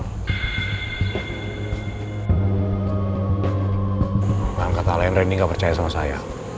mungkin kata lain reni gak percaya sama saya